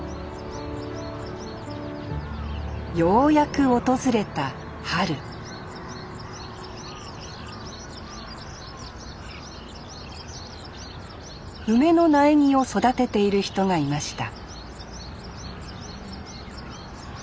ようやく訪れた春梅の苗木を育てている人がいました